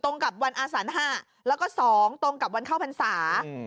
ตรงกับวันอาสันหะแล้วก็๒ตรงกับวันเข้าพรรษา